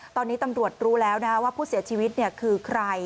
ตอนนี้ตำรวจรู้แล้วนะว่าผู้เสียชีวิตคือใคร